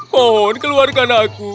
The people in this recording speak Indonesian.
mohon keluarkan aku